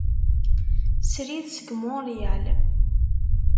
Srid seg Montreal.